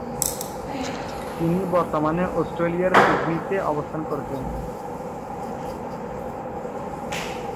তিনি বর্তমানে অস্ট্রেলিয়ার সিডনিতে অবস্থান করছেন।